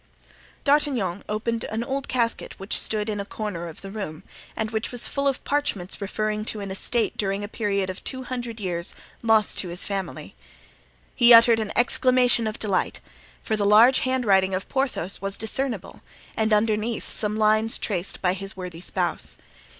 D'Artagnan opened an old casket which stood in a corner of the room, and which was full of parchments referring to an estate during a period of two hundred years lost to his family. He uttered an exclamation of delight, for the large handwriting of Porthos was discernible, and underneath some lines traced by his worthy spouse.